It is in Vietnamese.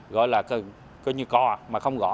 gọi là co mà không gõ